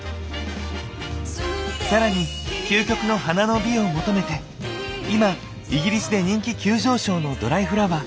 更に究極の花の美を求めて今イギリスで人気急上昇のドライフラワー。